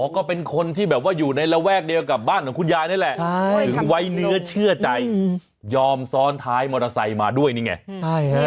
ก็เป็นคนที่แบบว่าอยู่ในระแวกเดียวกับบ้านของคุณยายนั่นแหละถึงไว้เนื้อเชื่อใจยอมซ้อนท้ายมอเตอร์ไซค์มาด้วยนี่ไง